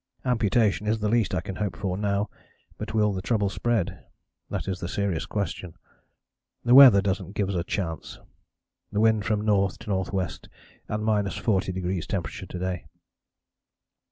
Amputation is the least I can hope for now, but will the trouble spread? That is the serious question. The weather doesn't give us a chance the wind from N. to N.W. and 40° temp, to day."